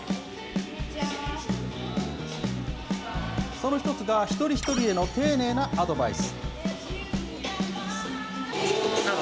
その一つが、一人一人への丁寧なアドバイス。